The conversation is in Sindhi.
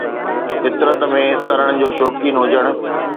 فطرت ۾ ترڻ جو شوقين هجڻ